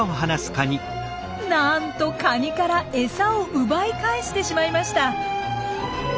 なんとカニから餌を奪い返してしまいました。